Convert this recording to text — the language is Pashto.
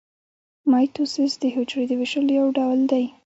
مایټوسیس د حجرې د ویشلو یو ډول دی